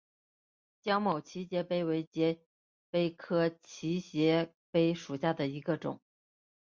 江某畸节蜱为节蜱科畸节蜱属下的一个种。